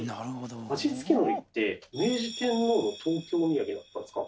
味付けのりって明治天皇の東京みやげだったんですか？